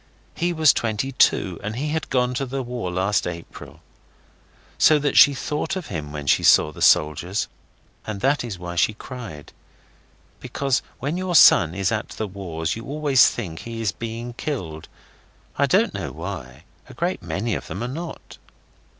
He was twenty two, and he had gone to the War last April. So that she thought of him when she saw the soldiers, and that was why she cried. Because when your son is at the wars you always think he is being killed. I don't know why. A great many of them are not.